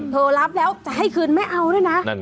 รับแล้วจะให้คืนไม่เอาด้วยนะ